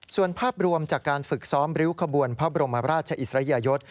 ส่วนภาพรวมจากการฝึกซ้อมริ้วขบวนพระบรมราชอิสริยยศ